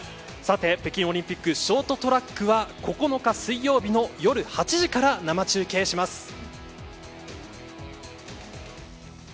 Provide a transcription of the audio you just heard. さて、北京オリンピックショートトラックは９日水曜日の夜８時から生中継します。